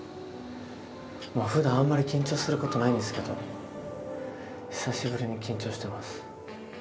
ふだんあんまり緊張することないんですけど久しぶりに緊張してます。